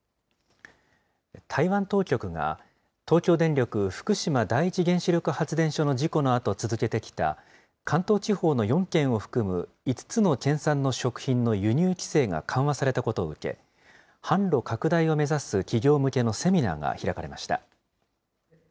台湾当局が東京電力福島第一原子力発電所の事故のあと続けてきた関東地方の４県を含む５つの県産の食品の輸入規制が緩和されたことを受け、販路拡大を目指す企業向けのセミナーが開かれました。